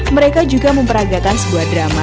mereka juga memperagakan sebuah drama